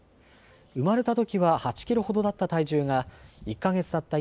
生まれたときは８キロほどだった体重が１か月たった